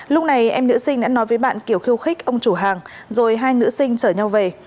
lúc này em nữ sinh đã nói với bạn kiểu khiêu khích ông chủ hàng rồi hai nữ sinh chở nhau về